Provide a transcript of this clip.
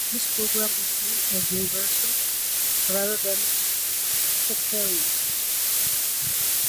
This program is seen as universal, rather than sectarian.